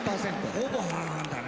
ほぼ半々だね。